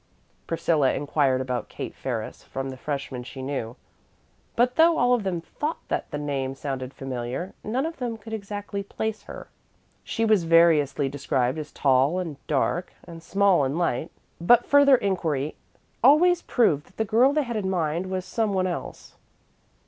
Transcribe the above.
Priscilla inquired about Kate Ferris from the freshmen she knew, but though all of them thought that the name sounded familiar, none of them could exactly place her. She was variously described as tall and dark and small and light, but further inquiry always proved that the girl they had in mind was some one else.